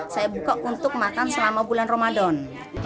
saya buka untuk makan selama bulan ramadan